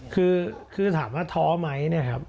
คือถามว่าท้อไหม